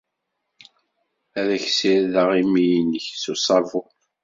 Ad ak-ssirdeɣ imi-nnek s uṣabun!